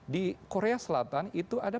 di korea selatan itu ada